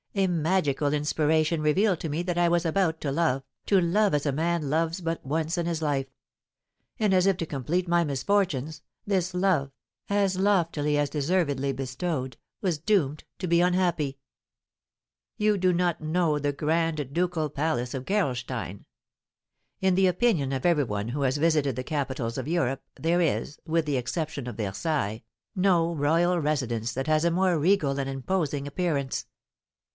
A magical inspiration revealed to me that I was about to love, to love as a man loves but once in his life; and, as if to complete my misfortunes, this love, as loftily as deservedly bestowed, was doomed to be unhappy. You do not know the grand ducal palace of Gerolstein. In the opinion of every one who has visited the capitals of Europe, there is, with the exception of Versailles, no royal residence that has a more regal and imposing appearance.